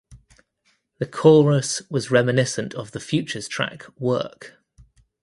The chorus was reminiscent of the "Futures" track "Work".